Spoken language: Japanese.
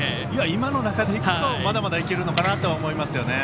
今の流れからいくとまだまだ行けるのかなと思います。